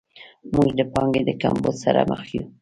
موږ د پانګې د کمبود سره مخ یو.